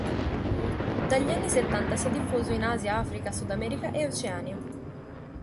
Dagli anni settanta si è diffuso in Asia, Africa, Sud America e Oceania.